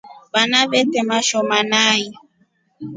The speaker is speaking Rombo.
Vana vete mashoma nai.